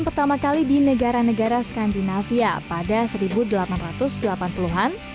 pertama kali di negara negara skandinavia pada seribu delapan ratus delapan puluh an